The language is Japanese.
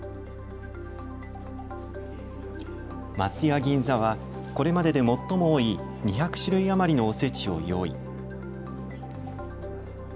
松屋銀座はこれまでで最も多い２００種類余りのおせちを用意。